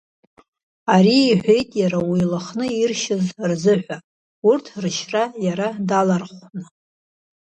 Ари иҳәеит уи Лыхны иршьыз рзыҳәа, урҭ ршьра иара далархәны.